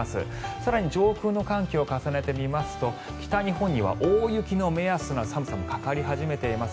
更に上空の寒気を重ねてみますと北日本には大雪の目安となる寒さもかかり始めています。